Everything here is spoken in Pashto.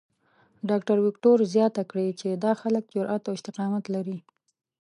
ډاکټر وېکټور زیاته کړې چې دا خلک جرات او استقامت لري.